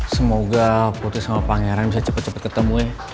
semoga putri sama pangeran bisa cepat cepat ketemu ya